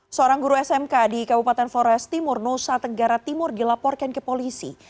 seorang guru smk di kabupaten flores timur nusa tenggara timur dilaporkan ke polisi